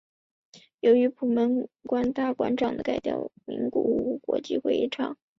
由于普门馆大馆场地改到了名古屋国际会议场。